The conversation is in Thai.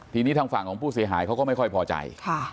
ทีนี้ทางฝั่งของผู้เสียหายเขาก็ไม่ค่อยพอใจ